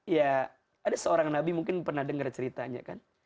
ya ada seorang nabi mungkin pernah dengar ceritanya kan